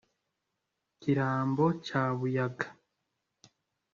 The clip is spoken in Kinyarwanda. Kirambo cya Buyaga,